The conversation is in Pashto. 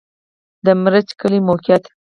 د مريچ کلی موقعیت